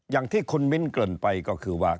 อย่างที่คุณมิ้นเกริ่นไปก็คือว่า